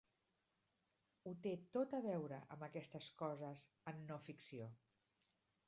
Ho té tot a veure amb aquestes coses en no-ficció.